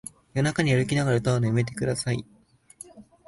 夜中に歩きながら歌うのやめてください